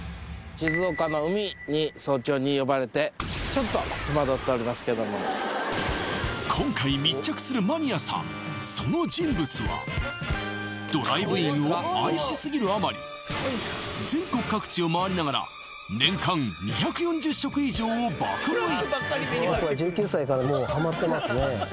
静岡の海に早朝に呼ばれてちょっと今回密着するマニアさんその人物はドライブインを愛しすぎるあまり全国各地を回りながら年間２４０食以上を爆食い！